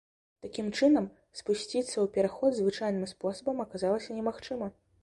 Такім чынам, спусціцца ў пераход звычайным спосабам аказалася немагчыма.